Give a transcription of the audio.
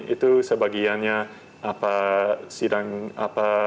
itu sebagiannya apa